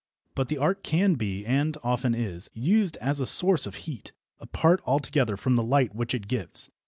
But the arc can be, and often is, used as a source of heat, apart altogether from the light which it gives.